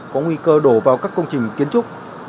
có nguy cơ đổ vào các công trình kiến trúc